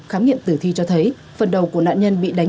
kiên trì báo địa bàn